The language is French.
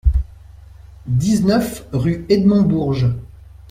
dix-neuf rue Edmond Bourges